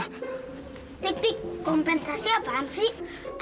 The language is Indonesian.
tik tik kompensasi apaan sih